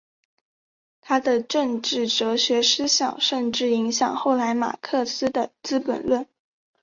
他的政治哲学思想甚至影响后来马克思的资本论。